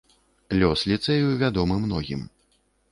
Лёс ліцэю вядомы многім.